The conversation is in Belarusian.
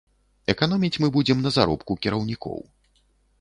Эканоміць мы будзем на заробку кіраўнікоў.